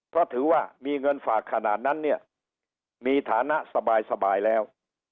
เพราะถือว่ามีเงินฝากขนาดนั้นเนี่ยมีฐานะสบายแล้ว